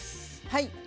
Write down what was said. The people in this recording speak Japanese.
はい。